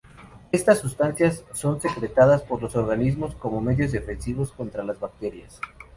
Estas sustancias son secretadas por los organismos como medios defensivos contra las bacterias.